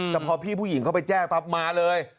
แต่พอพี่ผู้หญิงเขาไปแจ้งปั๊บมาเลย